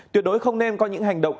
tuyệt đối không nên có những hành động